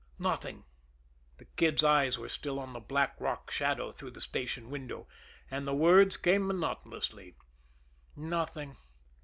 "Nothing!" The Kid's eyes were still on the black, rock shadow through the station window, and the words came monotonously. "Nothing!